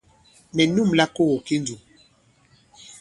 Mɛ̀ nûmla kogo ki ndùm.